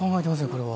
これは。